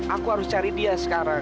aku harus cari dia sekarang